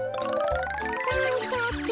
さんかく。